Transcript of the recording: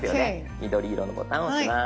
緑色のボタンを押します。